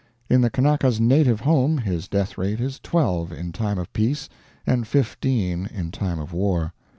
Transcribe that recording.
In the Kanaka's native home his death rate is 12 in time of peace, and 15 in time of war.